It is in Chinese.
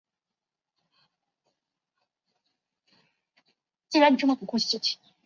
属霍尼亚拉总教区。